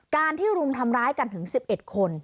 การที่รุมทำร้ายกันถึง๑๑คน